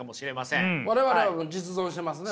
我々は実存してますね？